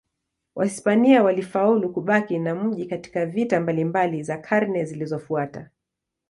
Wahispania walifaulu kubaki na mji katika vita mbalimbali za karne zilizofuata.